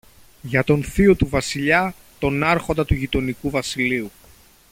για το θείο του Βασιλιά, τον Άρχοντα του γειτονικού βασιλείου.